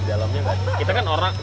dia tidak tahu kenapa